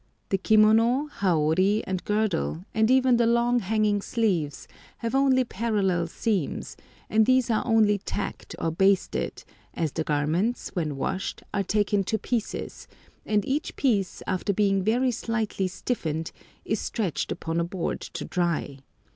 The kimono, haori, and girdle, and even the long hanging sleeves, have only parallel seams, and these are only tacked or basted, as the garments, when washed, are taken to pieces, and each piece, after being very slightly stiffened, is stretched upon a board to dry.